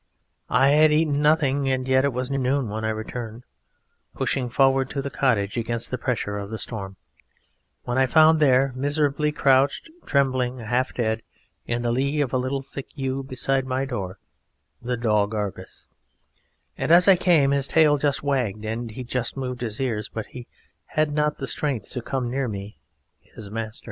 "I had eaten nothing and yet it was near noon when I returned, pushing forward to the cottage against the pressure of the storm, when I found there, miserably crouched, trembling, half dead, in the lee of a little thick yew beside my door, the dog Argus; and as I came his tail just wagged and he just moved his ears, but he had not the strength to come near me, his master."